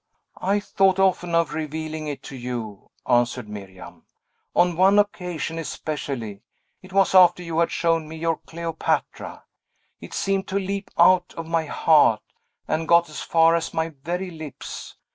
"I thought often of revealing it to you," answered Miriam; "on one occasion, especially, it was after you had shown me your Cleopatra; it seemed to leap out of my heart, and got as far as my very lips.